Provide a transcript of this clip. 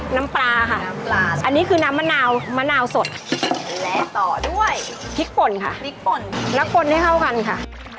น้ำปลาค่ะอันนี้คือน้ำมะนาวมะนาวสดและต่อด้วยพริกป่นค่ะและปนให้เข้ากันค่ะ